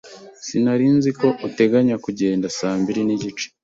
Sinari nzi ko uteganya kugenda saa mbiri nigice.